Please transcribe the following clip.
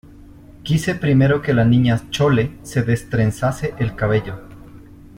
quise primero que la Niña Chole se destrenzase el cabello